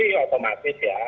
itu sih otomatis ya